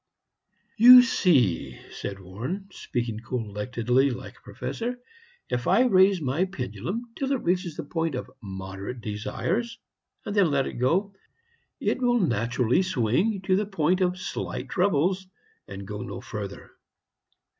"You see," said Warren, speaking collectedly, like a professor, "if I raise my pendulum till it reaches the point of Moderate Desires and then let it go, it will naturally swing to the point of Slight Troubles, and go no further.